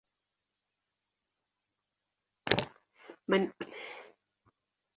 Manisipaa ya Shinyanga ni sawa na Wilaya ya Shinyanga Mjini.